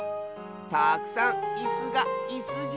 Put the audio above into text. たくさんイスが「いす」ぎて。